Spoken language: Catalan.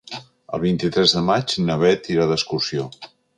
El vint-i-tres de maig na Beth irà d'excursió.